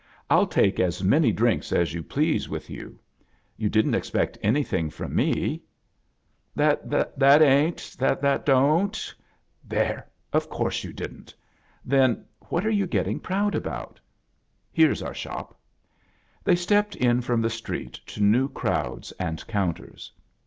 Fll take as many drinks as you please inth you. You didn't expect anything from me?" "That ain't— that don't—" "There! Of course you didn't. Then, what are you getting proud about ? Here's our shop." They stepped in from the street to new crowds and counters.